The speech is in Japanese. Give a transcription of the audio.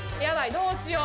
どうしよう。